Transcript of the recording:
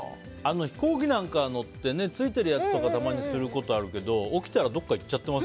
飛行機なんか乗ってついているやつをたまにすることあるけど起きたらどこかいっちゃってます。